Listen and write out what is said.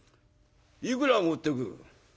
いくら持ってく？